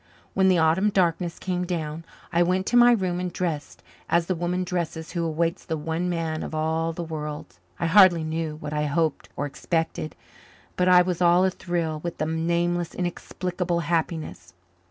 When the autumn darkness came down I went to my room and dressed as the woman dresses who awaits the one man of all the world. I hardly knew what I hoped or expected, but I was all athrill with a nameless, inexplicable happiness.